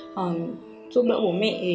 giúp đỡ bố mẹ